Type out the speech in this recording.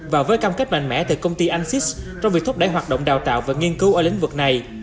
và với cam kết mạnh mẽ từ công ty ansys trong việc thúc đẩy hoạt động đào tạo và nghiên cứu ở lĩnh vực này